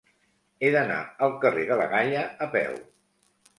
He d'anar al carrer de la Galla a peu.